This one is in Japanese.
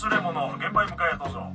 現場へ向かえどうぞ。